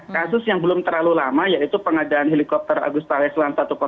kasus yang belum terlalu lama yaitu pengadaan helikopter agustaris satu ratus delapan